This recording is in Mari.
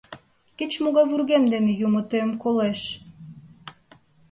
Кеч-могай вургем денат Юмо тыйым колеш.